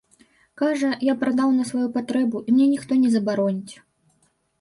Кажа, я прадаў на сваю патрэбу і мне ніхто не забароніць.